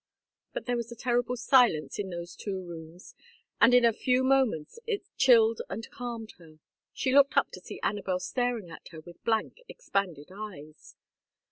But there was a terrible silence in those two rooms, and in a few moments it chilled and calmed her. She looked up to see Anabel staring at her with blank expanded eyes.